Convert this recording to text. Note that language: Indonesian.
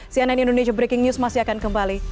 cnn indonesia breaking news masih akan kembali